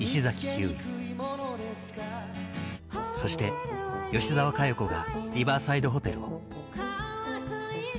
ひゅーいそして、吉澤嘉代子が「リバーサイドホテル」を。